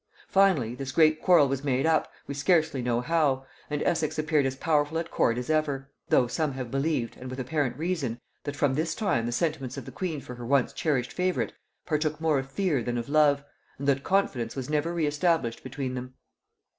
Finally, this great quarrel was made up, we scarcely know how, and Essex appeared as powerful at court as ever; though some have believed, and with apparent reason, that from this time the sentiments of the queen for her once cherished favorite, partook more of fear than of love; and that confidence was never re established between them.